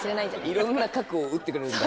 いろんな角を打ってくれるんだ。